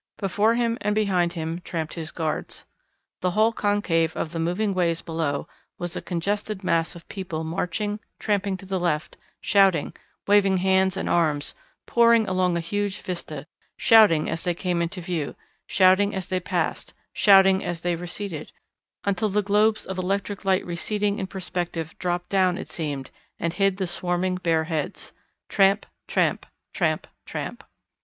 Before him and behind him tramped his guards. The whole concave of the moving ways below was a congested mass of people marching, tramping to the left, shouting, waving hands and arms, pouring along a huge vista, shouting as they came into view, shouting as they passed, shouting as they receded, until the globes of electric light receding in perspective dropped down it seemed and hid the swarming bare heads. Tramp, tramp, tramp, tramp.